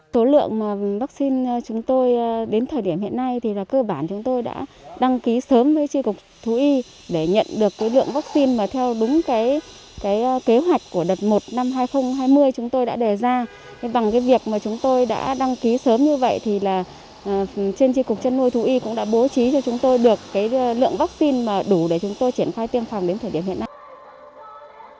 tri cục trăn nuôi và thú y tỉnh cũng đã bố trí cho chúng tôi được lượng vaccine đủ để chúng tôi triển khai tiêm phòng đến thời điểm hiện nay